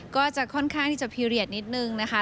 ก็จะค่อนข้างที่จะพีเรียสนิดนึงนะคะ